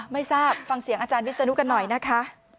ไม่ทราบฟังเสียงอาจารย์วิศนุกันหน่อยนะคะ